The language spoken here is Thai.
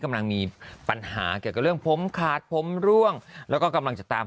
กำลังมีปัญหาเกี่ยวกับเรื่องผมขาดผมร่วงแล้วก็กำลังจะตาม